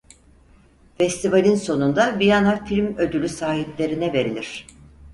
Festivalin sonunda Viyana Film ödülü sahiplerine verilir.